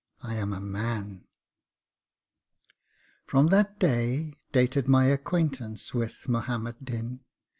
I am a man!' From that day dated my acquaintance with Muhammad Din.